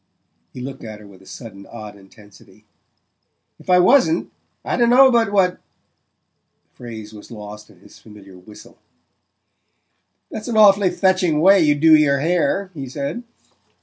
He looked at her with a sudden odd intensity. "If I WASN'T, I dunno but what " The phrase was lost in his familiar whistle. "That's an awfully fetching way you do your hair," he said.